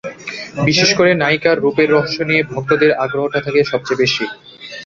বিশেষ করে নায়িকার রূপের রহস্য নিয়ে ভক্তদের আগ্রহটা থাকে সবচেয়ে বেশি।